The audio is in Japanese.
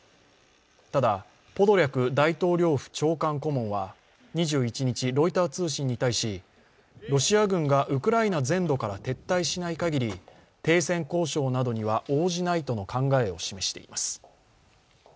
ただ、ポドリャク大統領府長官顧問は２１日、ロイター通信に対し、ロシア軍がウクライナ全土から撤退しない限り、停戦交渉などには応じないとの考えを示しています。